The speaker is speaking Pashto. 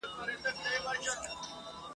ويل كشكي ته پيدا نه واى له موره !.